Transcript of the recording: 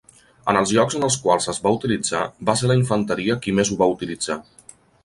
En els llocs en els quals es va utilitzar, va ser la infanteria qui més ho va utilitzar.